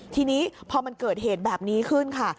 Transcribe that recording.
ทีนี้พอมันเกิดเหตุแบบนี้ขึ้นค่ะ